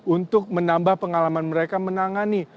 untuk menambah pengalaman mereka menangani